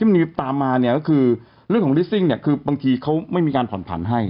มีตามมาเนี่ยก็คือเรื่องของลิสซิ่งเนี่ยคือบางทีเขาไม่มีการผ่อนผันให้